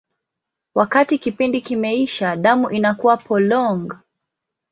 Wakati kipindi kimeisha, damu inakuwa polong.